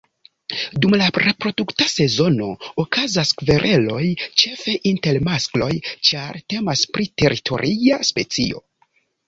Dum la reprodukta sezono okazas kvereloj ĉefe inter maskloj, ĉar temas pri teritoria specio.